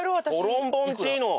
トロンボーンチーノ。